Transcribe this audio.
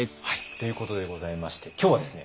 ということでございまして今日はですね